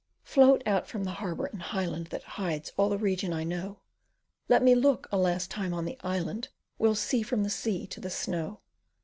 Float out from the harbour and highland That hides all the region I know, Let me look a last time on the island Well seen from the sea to the snow.